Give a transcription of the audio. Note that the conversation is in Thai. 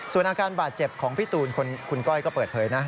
ส่วนอาการบาดเจ็บของพี่ตูนคุณก้อยก็เปิดเผยนะ